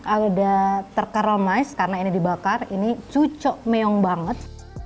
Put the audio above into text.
ada terkaromize karena ini dibakar ini cucuk meyong banget